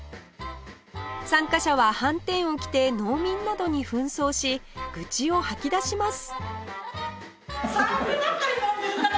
参加者ははんてんを着て農民などに扮装し愚痴を吐き出します